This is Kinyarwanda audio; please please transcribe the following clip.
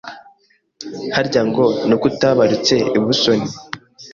harya ngo ni uko utabarutse i Busoni